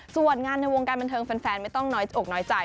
ส่วนงานในวงการบันเทิงแฟนไม่ต้องน้อยอกน้อยใจ